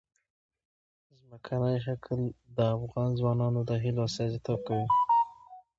ځمکنی شکل د افغان ځوانانو د هیلو استازیتوب کوي.